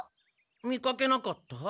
見かけなかった？